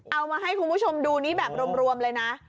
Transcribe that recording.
เอามาให้คุณผู้ชมดูนี้แบบรวมเลยนะ